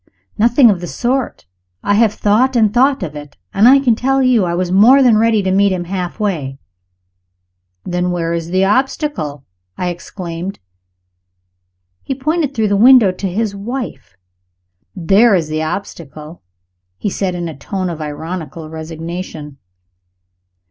"Nothing of the sort! I have thought and thought of it and I can tell you I was more than ready to meet him half way." "Then where is the obstacle?" I exclaimed. He pointed through the window to his wife. "There is the obstacle," he said, in a tone of ironical resignation.